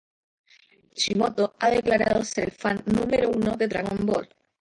Kishimoto ha declarado ser el fan número uno de Dragon Ball.